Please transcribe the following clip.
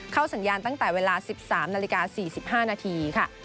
เข้าสัญญาณตั้งแต่เวลา๑๓น๔๕นค่ะ